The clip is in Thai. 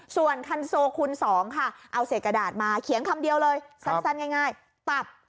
ส่วนคันโซคูณ๒ค่ะเอาเศษกระดาษมาเขียนคำเดียวเลยสั้นง่ายตับ